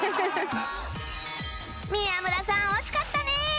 宮村さん惜しかったね！